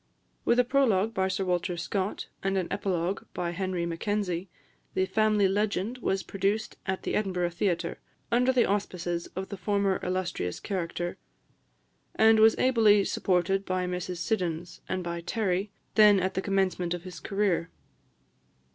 With a prologue by Sir Walter Scott, and an epilogue by Henry Mackenzie, the "Family Legend" was produced at the Edinburgh theatre, under the auspices of the former illustrious character; and was ably supported by Mrs Siddons, and by Terry, then at the commencement of his career.